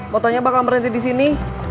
fotonya bakal berhenti di sini